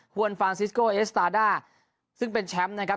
วนฟานซิสโกเอสตาด้าซึ่งเป็นแชมป์นะครับ